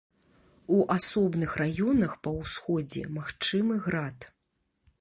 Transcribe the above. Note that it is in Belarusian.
У асобных раёнах па ўсходзе магчымы град.